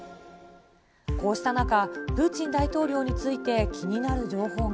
こうした中、プーチン大統領について、気になる情報が。